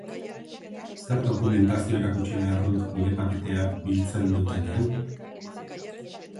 Zer dokumentazio erakutsi behar dut nire paketea biltzen dutenean?